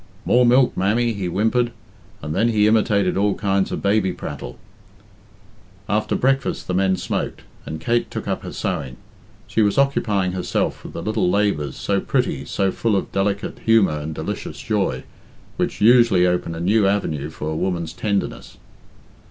"More milk, mammy," he whimpered, and then he imitated all kinds of baby prattle. After breakfast the men smoked, and Kate took up her sewing. She was occupying herself with the little labours, so pretty, so full of delicate humour and delicious joy, which usually open a new avenue for a woman's tenderness.